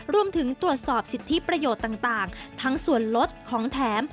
รวมถึงตรวจสอบสิทธิประโยชน์ต่างทั้งส่วนลดของแถม